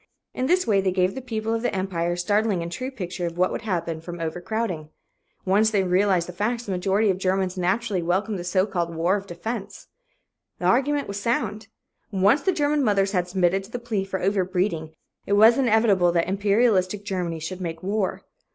In this way, they gave the people of the Empire a startling and true picture of what would happen from overcrowding. Once they realized the facts, the majority of Germans naturally welcomed the so called war of defense. The argument was sound. Once the German mothers had submitted to the plea for overbreeding, it was inevitable that imperialistic Germany should make war.